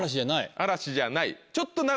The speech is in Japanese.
嵐じゃない。